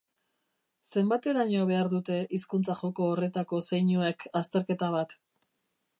Zenbateraino behar dute hizkuntza-joko horretako zeinuek azterketa bat?